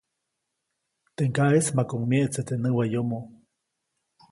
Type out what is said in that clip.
Teʼ ŋgaʼeʼis makuʼuŋ myeʼtse teʼ näwayomo.